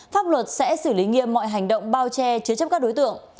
pháp luật sẽ xử lý nghiêm mọi hành động bao che chứa chấp các đối tượng